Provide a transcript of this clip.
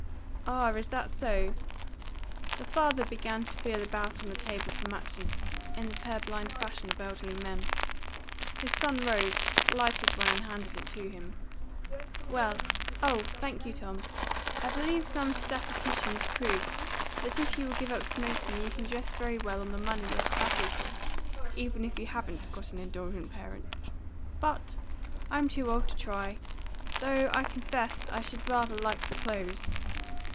"Ah, is that so?" The father began to feel about on the table for matches, in the purblind fashion of elderly men. His son rose, lighted one, and handed it to him. "Well, oh, thank you, Tom! I believe some statisticians prove that if you will give up smoking you can dress very well on the money your tobacco costs, even if you haven't got an indulgent parent. But I'm too old to try. Though, I confess, I should rather like the clothes.